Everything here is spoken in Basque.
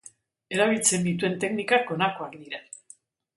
Erabiltzen dituen teknikak honakoak dira.